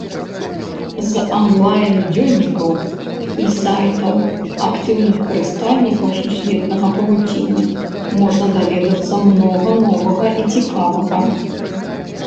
З анлайн-дзённікаў і сайтаў актыўных карыстальнікаў сусветнага павуціння можна даведацца многа новага і цікавага.